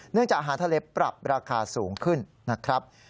จากอาหารทะเลปรับราคาสูงขึ้นนะครับ